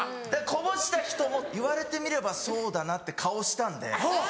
こぼした人も「言われてみればそうだな」って顔したんで。